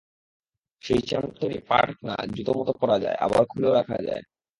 সেই চামড়ার তৈরি পা-ঢাকনা জুতমতো পরা যায়, আবার খুলেও রাখা যায়।